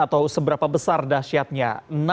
atau seberapa besar dasyatnya